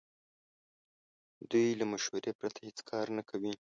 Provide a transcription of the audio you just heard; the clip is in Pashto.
دوی له مشورې پرته هیڅ کار نه کوي.